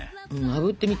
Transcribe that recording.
あぶってみて。